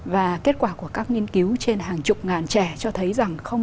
và kết quả của các nghiên cứu trên hàng chục ngàn trẻ cho thấy rằng